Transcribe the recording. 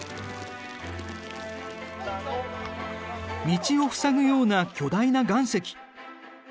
道を塞ぐような巨大な岩石。